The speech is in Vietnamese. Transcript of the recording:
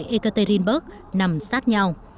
ekaterinburg nằm sát nhau